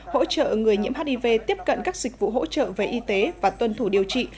hỗ trợ người nhiễm hiv tiếp cận các dịch vụ hỗ trợ về y tế và tuân thủ điều trị